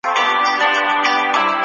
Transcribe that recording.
سم نیت ژوند نه دروي.